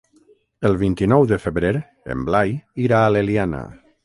El vint-i-nou de febrer en Blai irà a l'Eliana.